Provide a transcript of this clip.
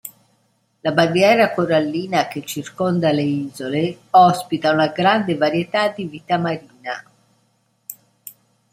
La barriera corallina che circonda le isole ospita una grande varietà di vita marina.